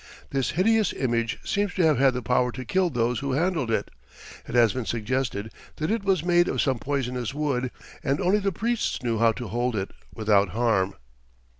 This hideous image seems to have had the power to kill those who handled it. It has been suggested that it was made of some poisonous wood, and only the priests knew how to hold it without harm.